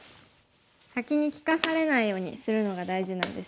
先に利かされないようにするのが大事なんですね。